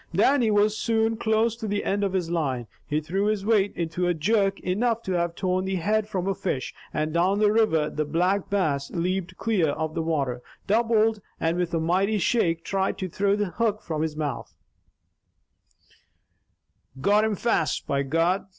Dannie was soon close to the end of his line. He threw his weight into a jerk enough to have torn the head from a fish, and down the river the Black Bass leaped clear of the water, doubled, and with a mighty shake tried to throw the hook from his mouth. "Got him fast, by God!"